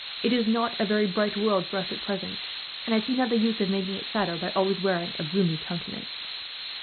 It is not a very bright world for us, at present; and I see not the use of making it sadder, by always wearing a gloomy countenance."